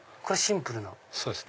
これシンプルな。